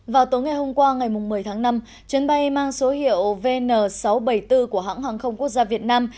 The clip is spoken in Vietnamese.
vào tối ngày hôm qua ngày một mươi tháng năm chuyến bay mang số hiệu vn sáu trăm bảy mươi bốn của hãng hàng không quốc gia việt nam